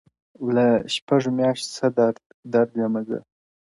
له شپږو مياشتو څه درد ؛درد يمه زه؛